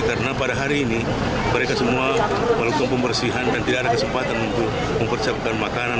karena pada hari ini mereka semua melukung pembersihan dan tidak ada kesempatan untuk memperciapkan makanan